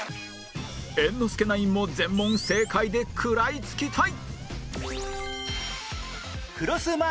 猿之助ナインも全問正解で食らいつきたい！